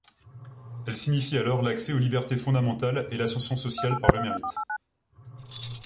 Elle signifie alors l'accès aux libertés fondamentales et l'ascension sociale par le mérite.